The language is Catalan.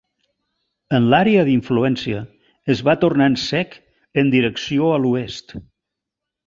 En l'àrea d'influència es va tornant sec en direcció a l'oest.